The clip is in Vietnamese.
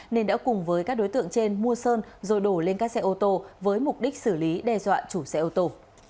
nên đã cùng với các đối tượng trên mua sơn rồi đổ lên các xe ô tô với mục đích xử lý đe dọa chủ xe ô tô